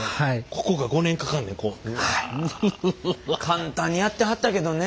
簡単にやってはったけどね。